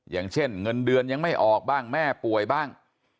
อย่างเช่นเงินเดือนยังไม่ออกบ้างแม่ป่วยบ้าง